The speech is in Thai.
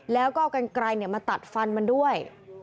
แล้วก็เอากันไกลมาตัดฟันมันด้วย